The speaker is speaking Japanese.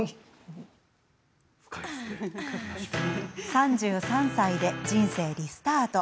３３歳で人生リスタート。